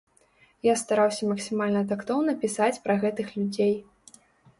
Я стараўся максімальна тактоўна пісаць пра гэтых людзей.